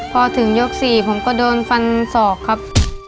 พอถึงยก๔ผมก็โดนฟันศอกครับ